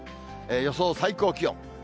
予想最高気温。